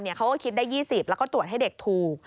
เขาก็คิดได้๒๐แล้วก็ตรวจให้เด็กถูก